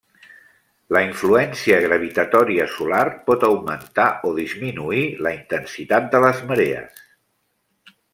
La influència gravitatòria solar pot augmentar o disminuir la intensitat de les marees.